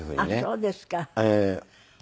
あっそうですか。